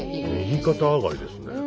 右肩上がりですね。